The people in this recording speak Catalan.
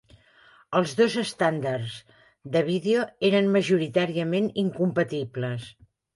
Els dos estàndards de vídeo eren majoritàriament incompatibles.